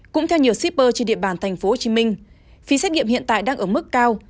cũng theo nhiều shipper trên địa bàn tp hcm phí xét nghiệm hiện tại đang ở mức cao